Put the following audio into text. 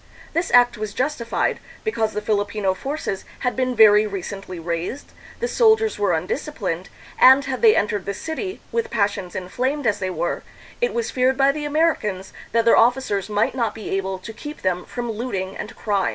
This act was justified, because the Filipino forces had been very recently raised, the sol diers were undisciplined, and had they entered the city, with passions inflamed as they were, it was feared by the Americans that their officers might not be able to keep them from looting and crime.